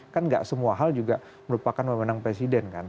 kan tidak semua hal juga merupakan pemenang presiden kan